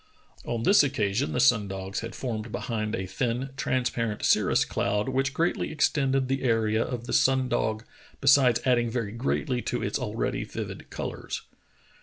On this occasion the sun dogs had formed behind a thin, transparent cirrus cloud which greatly extended the area of the sun dog besides adding very greatly to its already vivid colors.